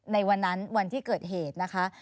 ในวันนั้นวันที่เกิดเหตุนะคะ